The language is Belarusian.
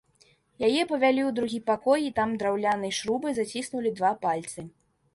Яе павялі ў другі пакой і там драўлянай шрубай заціснулі два пальцы.